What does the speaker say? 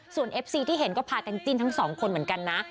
ส่วนเอฟซีที่เห็นก็พากันจิ้นทั้งสองคนเหมือนกันนะ